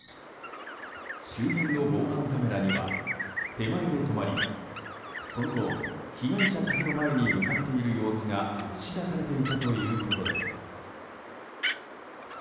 周辺の防犯カメラには手前で止まり、その後被害者宅の前に向かっている様子が映し出されていたということです。